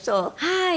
はい。